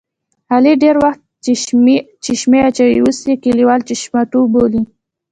علي ډېری وخت چشمې اچوي اوس یې کلیوال چشماټو بولي.